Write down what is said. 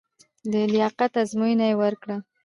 د لیاقت ازموینه یې ورکړه.